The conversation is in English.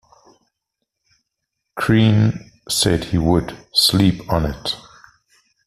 Crean said he would "sleep on it".